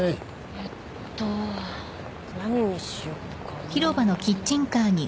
えっと何にしよっかな。